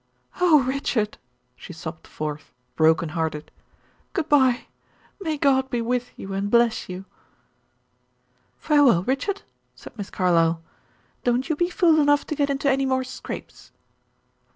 "Oh, Richard!" she sobbed forth, broken hearted, "good bye. May God be with you and bless you!" "Farewell, Richard," said Miss Carlyle; "don't you be fool enough to get into any more scrapes."